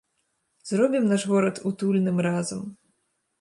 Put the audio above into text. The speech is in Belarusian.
Зробім наш горад утульным разам!